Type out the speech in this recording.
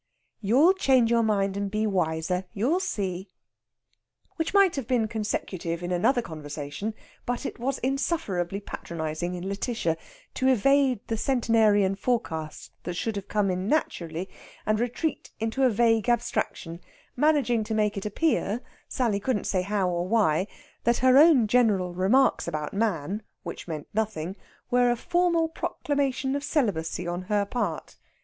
"You'll change your mind and be wiser you'll see." Which might have been consecutive in another conversation. But it was insufferably patronizing in Lætitia to evade the centenarian forecast that should have come in naturally, and retreat into a vague abstraction, managing to make it appear (Sally couldn't say how or why) that her own general remarks about man, which meant nothing, were a formal proclamation of celibacy on her part.